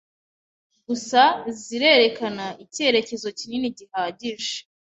gusa zirerekana icyerekezo kinini gihagije